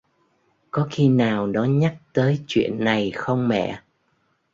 Có khi nào nó nhắc tới chuyện này không mẹ